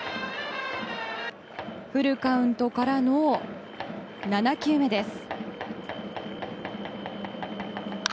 フルカウントからの７球目です。